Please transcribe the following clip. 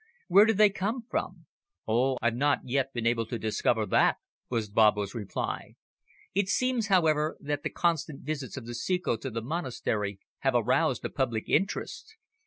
"Where do they come from?" "Oh! I've not yet been able to discover that," was Babbo's reply. "It seems, however, that the constant visits of the Ceco to the monastery have aroused the public interest.